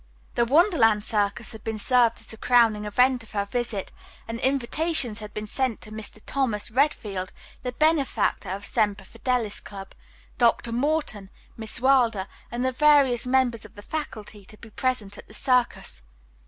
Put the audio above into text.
The Wonderland Circus had been saved as the crowning event of her visit, and invitations had been sent to Mr. Thomas Redfield, the benefactor of Semper Fidelis Club, Dr. Morton, Miss Wilder and the various members of the faculty to be present at the Circus.